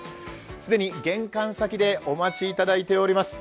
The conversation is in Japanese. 既に玄関先でお待ちいただいております。